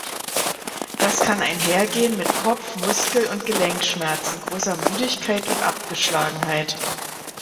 Das kann einhergehen mit Kopf-, Muskel- und Gelenkschmerzen, großer Müdigkeit und Abgeschlagenheit.